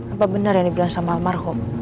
apa benar yang dibilang sama almarhum